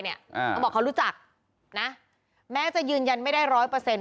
เขาบอกเขารู้จักนะแม้จะยืนยันไม่ได้ร้อยเปอร์เซ็นต